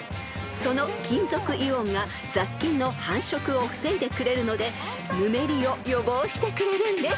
［その金属イオンが雑菌の繁殖を防いでくれるのでぬめりを予防してくれるんです］